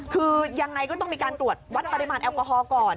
คือยังไงก็ต้องมีการตรวจวัดปริมาณแอลกอฮอลก่อน